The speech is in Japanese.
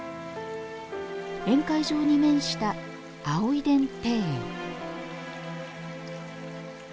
宴会場に面した葵殿庭園。